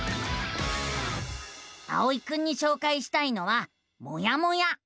あおいくんにしょうかいしたいのは「もやモ屋」。